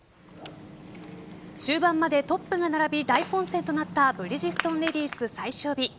終盤までトップが並び大混戦となったブリヂストンレディス最終日。